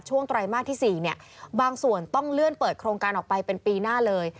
ไตรมาสที่๔บางส่วนต้องเลื่อนเปิดโครงการออกไปเป็นปีหน้าเลย